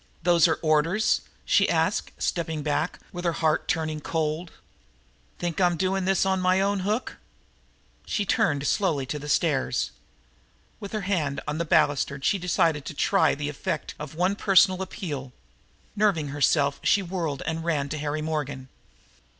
"Those are orders?" she asked, stepping back, with her heart turning cold. "Think I'm doing this on my own hook?" She turned slowly to the stairs. With her hand on the balustrade she decided to try the effect of one personal appeal. Nerving herself she whirled and ran to Harry Morgan.